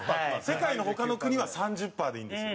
世界の他の国は３０パーでいいんですよ。